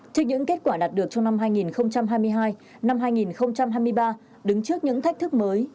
trước những kết quả đạt được trong năm hai nghìn hai mươi hai năm hai nghìn hai mươi ba đứng trước những thách thức mới